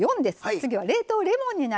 次は冷凍レモンになります。